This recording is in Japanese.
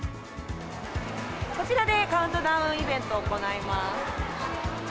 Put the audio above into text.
こちらでカウントダウンイベントを行います。